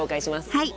はい。